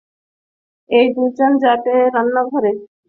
এই দুজন যাবে রান্নাঘরে আর ও করবে লন্ড্রির কাজ।